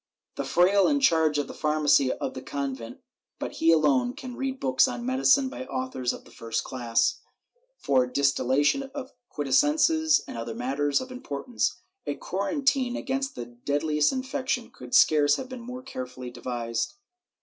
The fraile in charge of the pharmacy of the convent, but he alone, can read books on medicine by authors of the first class, for distillation of quintessences and other matters of importance.^ A quarantine against the deadliest infection could scarce have been more carefully devised.